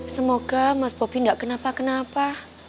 semoga mas bobi tidak kenapa kenapa